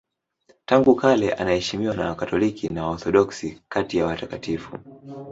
Tangu kale anaheshimiwa na Wakatoliki na Waorthodoksi kati ya watakatifu.